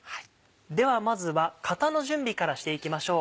ではまずは型の準備からしていきましょう。